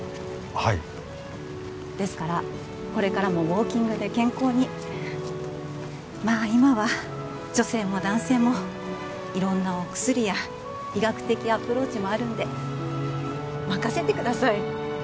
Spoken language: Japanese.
はいですからこれからもウォーキングで健康にまあ今は女性も男性も色んなお薬や医学的アプローチもあるんで任せてください